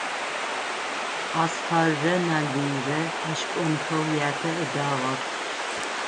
Асфаррэ Налбыйрэ ащ кӀонхэу ятэ ыдагъэп.